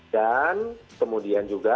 dan kemudian juga